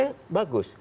itu menurut saya bagus